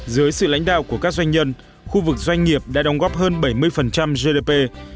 dưới sự lãnh đạo của các doanh nhân khu vực doanh nghiệp đã đóng góp hơn bảy mươi gdp